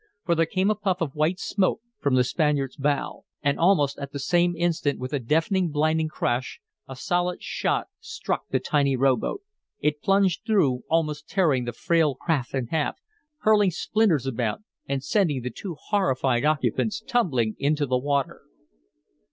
For there came a puff of white smoke from the Spaniard's bow. And almost at the same instant with a deafening, blinding crash, a solid shot struck the tiny rowboat. It plunged through, almost tearing the frail craft in half, hurling splinters about and sending the two horrified occupants tumbling into the water!